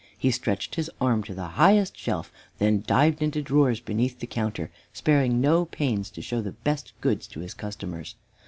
He stretched his arm to the highest shelf, then dived into drawers beneath the counter, sparing no pains to show the best goods to his customers.